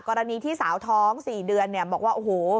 กรณีที่สาวท้อง๔เดือนเนี่ยบอกว่าโอ้โห